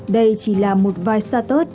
đây chỉ là một vài status